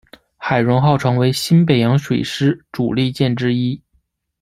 海容号成为新北洋水师主力舰之一。